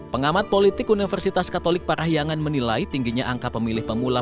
pengamat politik universitas katolik parahyangan menilai tingginya angka pemilih pemula